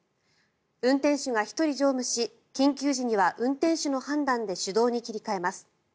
運転手が１人乗務し緊急時には運転手の判断で手動に切り替えます。